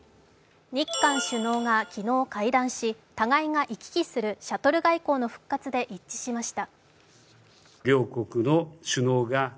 日韓首脳が昨日会談し、互いが行き来するシャトル外交の復活で一致しました。